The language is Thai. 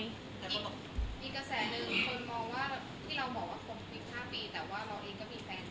มีกระแสหนึ่งคนมองว่าที่เราบอกว่าผมหญิง๕ปี